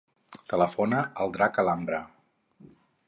Telefona al Drac Alhambra.